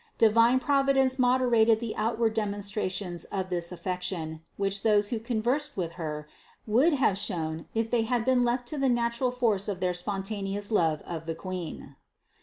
Divine Providence moderated the out ward demonstrations of this affection, which those who conversed with Her, would have shown, if they had been left to the natural force of their spontaneous love of the Queen.